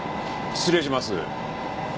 失礼します。